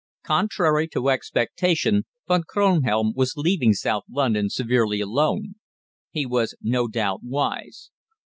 Contrary to expectation, Von Kronhelm was leaving South London severely alone. He was, no doubt, wise.